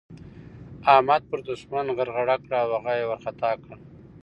احمد پر دوښمن غرغړه وکړه او هغه يې وارخطا کړ.